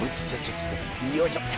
よいしょ！